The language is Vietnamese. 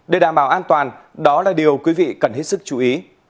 để đảm bảo an toàn đó là điều quý vị cần hết sức chú ý